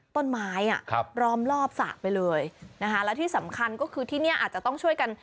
ต้นไม้อ่ะครับล้อมรอบสระไปเลยนะคะแล้วที่สำคัญก็คือที่เนี่ยอาจจะต้องช่วยกัน